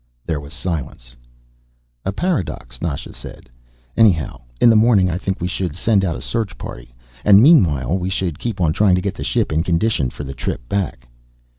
There was silence. "A paradox," Nasha said. "Anyhow, in the morning I think we should send out a search party. And meanwhile we should keep on trying to get the ship in condition for the trip back."